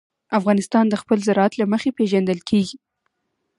افغانستان د خپل زراعت له مخې پېژندل کېږي.